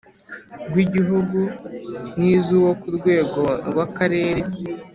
Rw igihugu n iz uwo ku rwego rw akarere